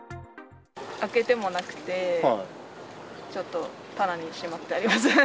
開けてもなくて、ちょっと、棚にしまってあります。